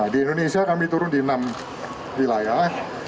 di indonesia kami turun di enam wilayah